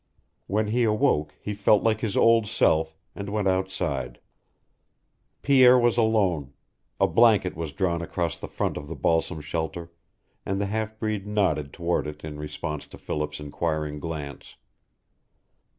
When he awoke he felt like his old self, and went outside. Pierre was alone; a blanket was drawn across the front of the balsam shelter, and the half breed nodded toward it in response to Philip's inquiring glance.